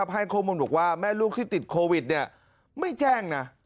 ให้ข้อมูลบอกว่าแม่ลูกที่ติดโควิดไม่แจ้งนะ